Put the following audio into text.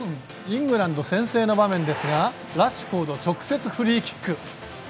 イングランド、先制の場面ですがラッシュフォード直接、フリーキック。